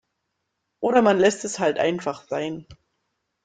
Oder man lässt es halt einfach sein.